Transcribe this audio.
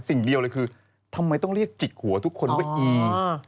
สิ่งเดียวเลยคือทำไมต้องเรียกจิกหัวทุกคนว่าอี